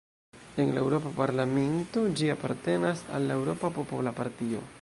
En la Eŭropa parlamento ĝi apartenas al la Eŭropa Popola Partio.